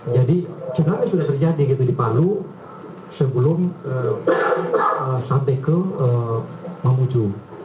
jadi tsunami sudah terjadi di palu sebelum sampai ke memujuk